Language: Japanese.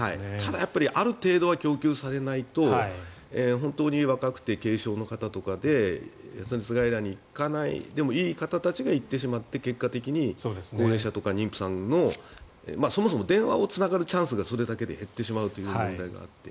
だけどある程度は供給されないと本当に若くて軽症の方とかで発熱外来に行かなくてもいい方たちが行ってしまって、結果的に高齢者とか妊婦さんのそもそも電話がつながるチャンスが減ってしまうというのがあって。